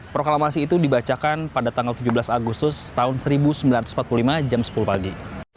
proklamasi itu dibacakan pada tanggal tujuh belas agustus tahun seribu sembilan ratus empat puluh lima jam sepuluh pagi